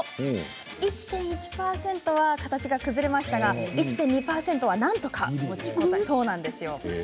１．１％は形が崩れましたが１．２％はなんとか持ちこたえました。